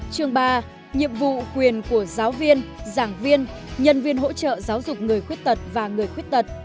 chương ba nhiệm vụ quyền của giáo viên giảng viên nhân viên hỗ trợ giáo dục người khuyết tật và người khuyết tật